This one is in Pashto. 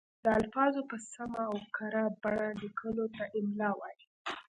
د الفاظو په سمه او کره بڼه لیکلو ته املاء وايي.